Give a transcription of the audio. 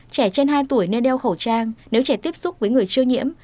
trẻ trên hai tuổi nên đeo khẩu trang nếu trẻ tiếp xúc với người chưa nhiễm